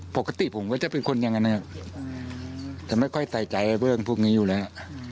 ปกติผมก็จะเป็นคนอย่างนั้นนะครับแต่ไม่ค่อยใส่ใจเรื่องพวกนี้อยู่แล้ว